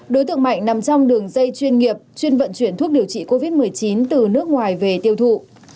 đối tượng mạnh nằm trong đường dây chuyên nghiệp chuyên vận chuyển thuốc điều trị covid một mươi chín từ nước ngoài về tiêu thụ